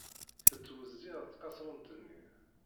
Tettwezziε tqaṣrunt-nni.